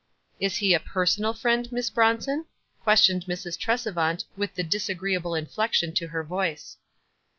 "Is he a personal friend, Miss Bronson?" questioned Mrs. Tresevant, with the disagree ble inflection to her voice.